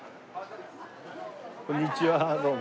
こんにちはどうも。